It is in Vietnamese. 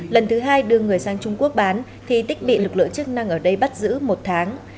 lần thứ hai đưa người sang trung quốc bán thì tích bị lực lượng chức năng ở đây bắt giữ một tháng